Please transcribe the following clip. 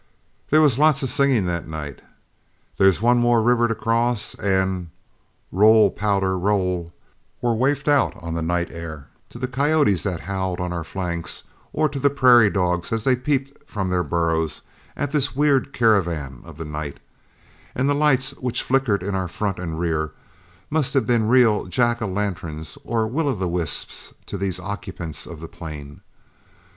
There was lots of singing that night. "There's One more River to cross," and "Roll, Powder, roll," were wafted out on the night air to the coyotes that howled on our flanks, or to the prairie dogs as they peeped from their burrows at this weird caravan of the night, and the lights which flickered in our front and rear must have been real Jack o' lanterns or Will o' the wisps to these occupants of the plain.